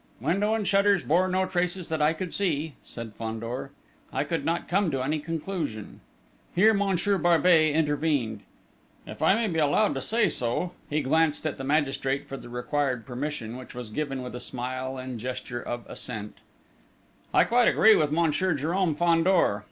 "Window and shutters bore no traces that I could see," said Fandor. "I could not come to any conclusion." Here Monsieur Barbey intervened. "If I may be allowed to say so" he glanced at the magistrate for the required permission, which was given with a smile and gesture of assent "I quite agree with Monsieur Jérôme Fandor.